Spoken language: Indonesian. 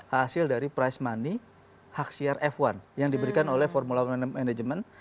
hasil dari price money hak siar f satu yang diberikan oleh formula one